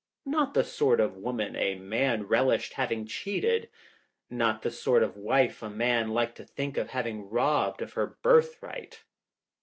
Not the sort of woman a man relished having cheated. Not the sort of wife a man liked to think of having robbed of her birthright.